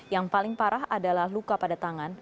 yang paling parah adalah luka pada tangan